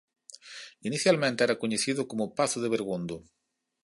Inicialmente era coñecido como Pazo de Bergondo.